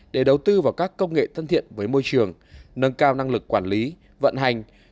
để đầu tư vào các công nghệ thân thiện với môi trường nâng cao năng lực quản lý vận hành